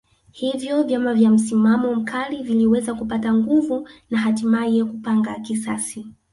Hivyo vyama vya msimamo mkali viliweza kupata nguvu na hatimaye kupanga kisasi